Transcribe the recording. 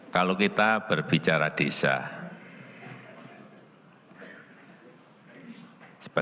kalau kita berbicara desa